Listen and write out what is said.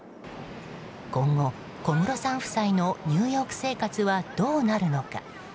今後、小室さん夫妻のニューヨーク生活はどうなるのか。